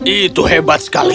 itu hebat sekali